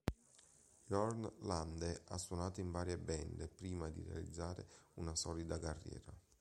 Jørn Lande ha suonato in varie band prima di realizzare una solida carriera.